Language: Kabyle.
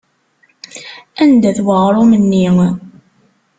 Anda-t uɣrum-nni?